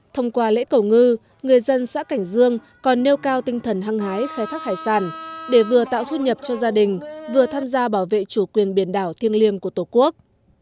thông qua lễ cầu ngư người dân xã cảnh dương còn nêu cao tinh thần hăng hái khai thác hải sản để vừa tạo thu nhập cho gia đình vừa tham gia bảo vệ chủ quyền biển đảo thiêng liêng của tổ quốc